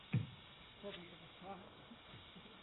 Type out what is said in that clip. Demak, yordam beradi